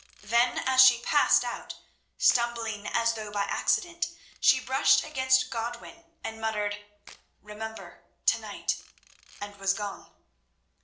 Then as she passed out, stumbling as though by accident, she brushed against Godwin, and muttered: "Remember, to night," and was gone.